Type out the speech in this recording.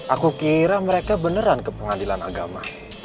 aku kira mereka beneran ke pengadilan agama